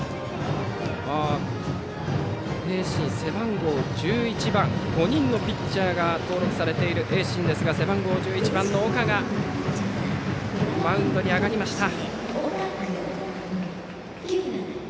盈進、背番号１１番５人のピッチャーが登録されている盈進ですが背番号１１番の岡がマウンドに上がりました。